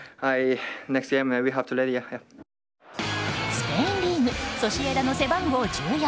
スペインリーグソシエダの背番号１４